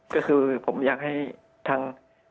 ก็คือผมอยากให้ทาง